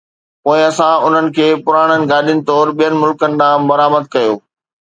پوءِ اسان انهن کي پراڻن گاڏين طور ٻين ملڪن ڏانهن برآمد ڪيو